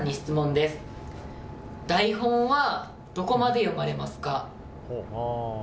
台本はどこまで読まれますか？